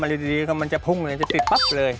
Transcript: เพราะว่ามันจะพุ่งเลยจะติดป๊ับเลย